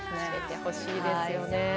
滑ってほしいですよね。